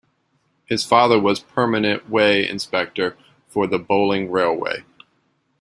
His father was permanent way inspector for the Bowling Railway.